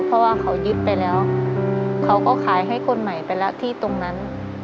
เพราะว่าเขายึดไปแล้วเขาก็ขายให้คนใหม่ไปแล้วที่ตรงนั้น